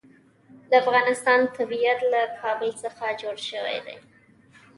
د افغانستان طبیعت له کابل څخه جوړ شوی دی.